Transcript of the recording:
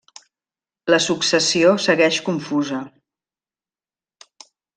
La successió segueix confusa.